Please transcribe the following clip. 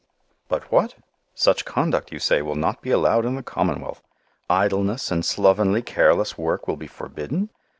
But what? Such conduct, you say, will not be allowed in the commonwealth. Idleness and slovenly, careless work will be forbidden?